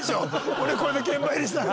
俺これで現場入りしたら。